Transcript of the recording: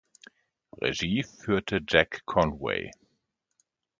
Regie führte Jack Conway.